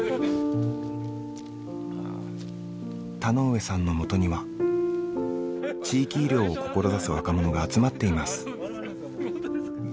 田上さんのもとには地域医療を志す若者が集まっています。